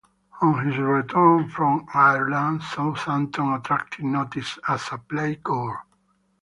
On his return from Ireland, Southampton attracted notice as a playgoer.